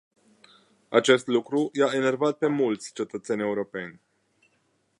Acest lucru i-a enervat pe mulți cetățeni europeni.